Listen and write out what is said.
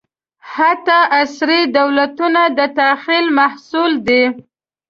حتی عصري دولتونه د تخیل محصول دي.